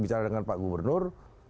bicara dengan pak gubernur